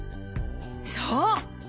そう！